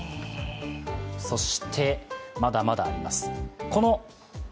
そして、まだまだあります。